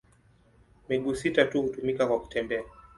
Miguu sita tu hutumika kwa kutembea.